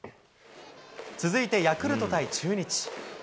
続いてヤクルト対中日。